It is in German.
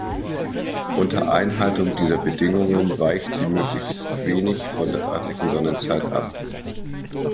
Unter Einhaltung dieser Bedingungen weicht sie möglichst wenig von der örtlichen Sonnenzeit ab.